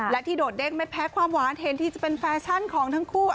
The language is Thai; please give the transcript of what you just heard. และที่โดดเด้งไม่แพ้ความหวานเห็นที่จะเป็นแฟชั่นของทั้งคู่